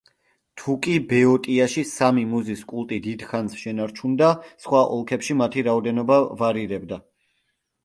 თუკი ბეოტიაში სამი მუზის კულტი დიდ ხანს შენარჩუნდა, სხვა ოლქებში მათი რაოდენობა ვარირებდა.